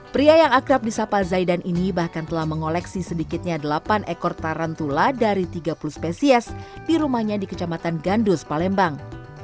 pria yang akrab di sapa zaidan ini bahkan telah mengoleksi sedikitnya delapan ekor tarantula dari tiga puluh spesies di rumahnya di kecamatan gandus palembang